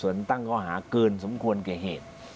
นั้นตั้งเขาหาเพลินสมควรเกย์เหตุ